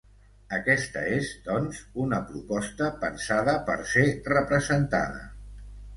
Aquesta és, doncs, una proposta pensada per ser representada.